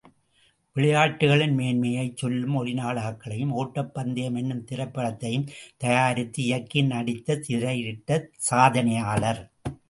விளையாட்டுக்களின் மேன்மையை சொல்லும் ஒலி நாடாக்களையும், ஒட்டப்பந்தயம் என்னும் திரைப்படத்தையும் தயாரித்து இயக்கி, நடித்து திரையிட்ட சாதனையாளர்.